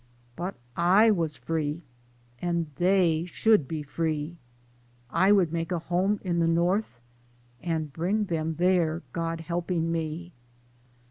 But I was free, and they should be free. I would make a home in the North and bring them there, God helping me.